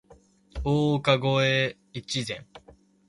大岡越前